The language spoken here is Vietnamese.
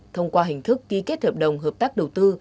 thông qua hình thức ký kết hợp đồng hợp tác đầu tư